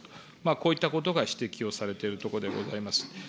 こういったことが指摘をされているところでございます。